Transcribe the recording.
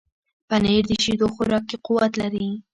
پنېر د شیدو خوراکي قوت لري.